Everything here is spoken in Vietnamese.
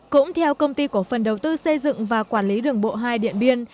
cũng theo công ty cổ phần đầu tư xây dựng và quản lý đường bộ hai điện biên